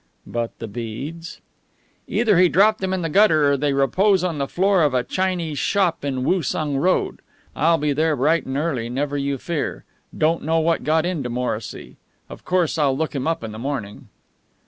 "But the beads!" "Either he dropped them in the gutter, or they repose on the floor of a Chinese shop in Woosung Road. I'll be there bright and early never you fear. Don't know what got into Morrissy. Of course I'll look him up in the morning."